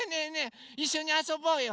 いっしょにあそぼうよ。